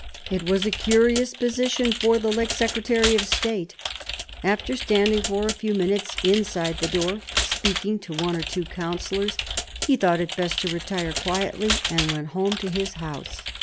It was a curious position for the late Secretary of State. After standing for a few minutes inside the door, speaking to one or two councillors, he thought it best to retire quietly, and went home to his house.